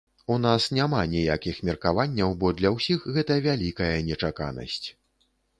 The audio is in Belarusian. У нас няма ніякіх меркаванняў, бо для ўсіх гэта вялікая нечаканасць.